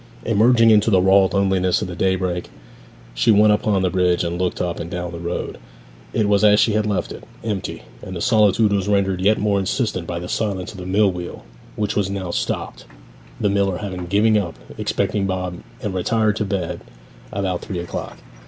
Emerging into the raw loneliness of the daybreak, she went upon the bridge and looked up and down the road. It was as she had left it, empty, and the solitude was rendered yet more insistent by the silence of the mill wheel, which was now stopped, the miller having given up expecting Bob and retired to bed about three o'clock.